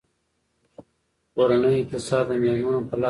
کورنۍ اقتصاد د میرمنو په لاس کې دی.